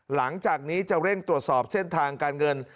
หลังจากนี้จะเร่งตรวจสอบเส้นทางการเงิน